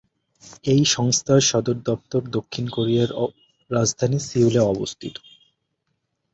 এই সংস্থার সদর দপ্তর দক্ষিণ কোরিয়ার রাজধানী সিউলে অবস্থিত।